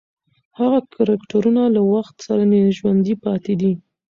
هغې کرکټرونه له وخت سره ژوندۍ پاتې دي.